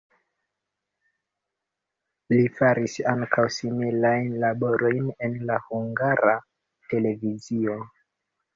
Li faris ankaŭ similajn laborojn en la Hungara Televizio.